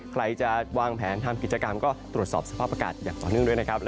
ใครจะวางแผนทำกิจกรรมก็ตรวจสอบสภาพอากาศอย่างต่อเนื่องด้วยนะครับ